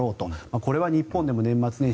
これは日本でも年末年始